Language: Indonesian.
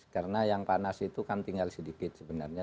karena yang panas itu kan tinggal sedikit sebenarnya